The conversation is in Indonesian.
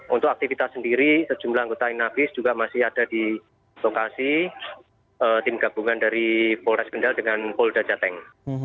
untuk aktivitas sendiri sejumlah anggota inavis juga masih ada di lokasi tim gabungan dari polres kendal dengan polda jateng